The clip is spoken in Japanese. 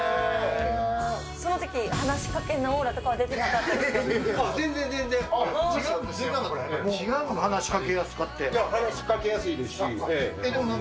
そのとき、話かけるなオーラとかは出てなかったですか。